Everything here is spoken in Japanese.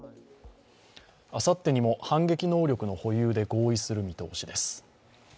あさってにも反撃能力の保有で合意する見通しです。